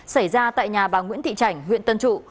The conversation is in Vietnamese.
xảy ra tại nhà bà nguyễn thị chảnh huyện tân trụ